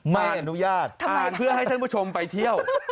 ไม่อนุญาตทานเพื่อให้ท่านผู้ชมไปเที่ยว